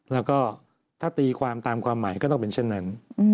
แล้วก็ถ้าตีความตามความหมายก็ต้องเป็นเช่นนั้น